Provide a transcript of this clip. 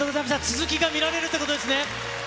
続きが見られるっていうことですね？